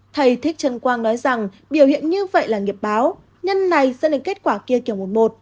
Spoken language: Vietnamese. thầy thích trân quang nói rằng biểu hiện như vậy là nghiệp báo nhân này dẫn đến kết quả kia kiểu một